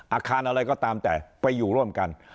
อาคารอะไรก็ตามแต่ไปอยู่ร่วมกัน